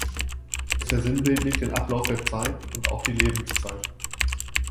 Er versinnbildlicht den Ablauf der Zeit und auch die Lebenszeit.